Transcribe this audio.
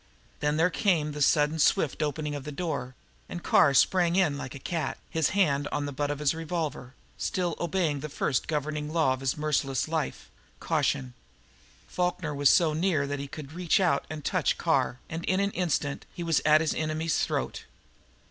Then there came the sudden, swift opening of the door, and Carr sprang in like a cat, his hand on the butt of his revolver, still obeying that first governing law of his merciless life caution, Falkner was so near that he could reach out and touch Carr, and in an instant he was at his enemy's throat.